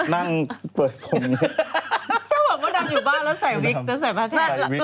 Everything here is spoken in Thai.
นั่งเอาอันนั้นนี่